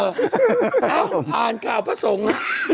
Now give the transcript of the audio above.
เอ้าอ่านข่าวพระสงฆ์